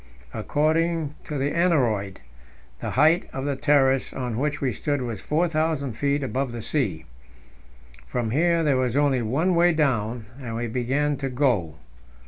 According to the aneroid, the height of the terrace on which we stood was 4,000 feet above the sea. From here there was only one way down, and we began to go.